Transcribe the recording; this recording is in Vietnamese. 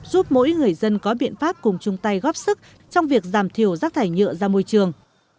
giúp mỗi người dân có biện pháp cùng chung tay góp sức trong việc giảm thiểu rác thải nhựa ra môi trường